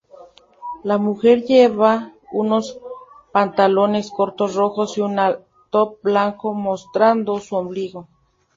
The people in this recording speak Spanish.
La mujer lleva unos pantalones cortos rojos y un top blanco mostrando su ombligo.